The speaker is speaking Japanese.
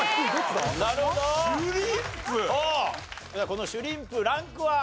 このシュリンプランクは？